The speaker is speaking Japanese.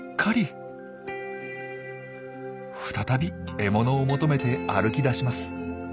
再び獲物を求めて歩き出します。